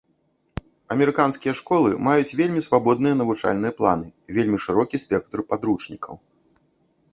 Амерыканскія школы маюць вельмі свабодныя навучальныя планы, вельмі шырокі спектр падручнікаў.